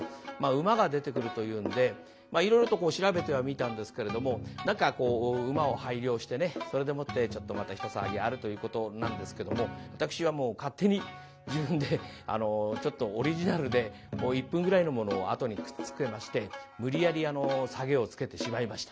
馬が出てくるというんでいろいろと調べてはみたんですけれども何かこう馬を拝領してねそれでもってちょっとまた一騒ぎあるということなんですけども私はもう勝手に自分でちょっとオリジナルで１分ぐらいのものをあとにくっつけまして無理やりサゲをつけてしまいました。